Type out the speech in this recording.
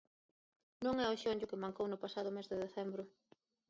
Non é o xeonllo que mancou no pasado mes de decembro.